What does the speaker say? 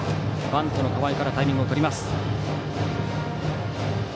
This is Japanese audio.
バントの構えからタイミングをとります。